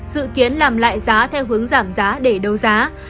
dự kiến làm lại giá theo hướng giảm giá để đấu giá